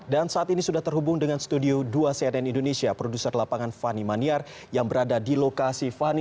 dan saat ini sudah terhubung dengan studio dua cnn indonesia produser lapangan fani maniar yang berada di lokasi fani